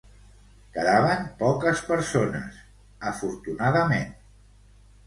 Quedaven poques persones, afortunadament.